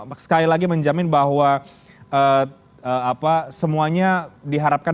sekali lagi menjamin bahwa semuanya diharapkan